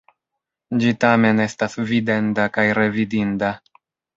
Ĝi tamen estas videnda kaj revidinda.